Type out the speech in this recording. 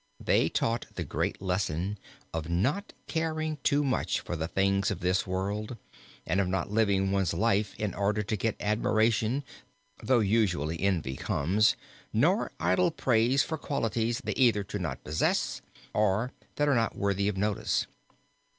They taught the great lesson of not caring too much for the things of this world and of not living one's life in order to get admiration though usually envy comes, nor idle praise for qualities they either do not possess or that are not worthy of notice.